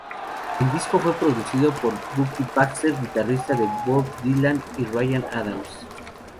El disco fue producido por Bucky Baxter, guitarrista de Bob Dylan y Ryan Adams.